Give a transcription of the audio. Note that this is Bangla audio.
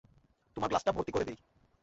তোমার গ্লাসটা ভর্তি করে দেই।